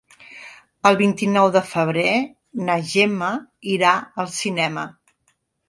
El vint-i-nou de febrer na Gemma irà al cinema.